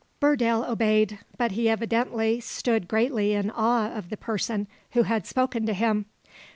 Burdale obeyed; but he evidently stood greatly in awe of the person who had spoken to him.